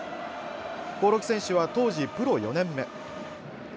興梠選手は当時プロ４年目。